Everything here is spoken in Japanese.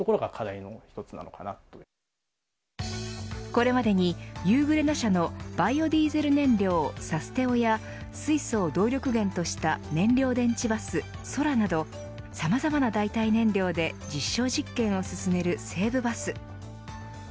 これまでにユーグレナ社のバイオディーゼル燃料サステオや水素を動力源とした燃料電池バスＳＯＲＡなどさまざまな代替燃料で実証実験を進める西武バス。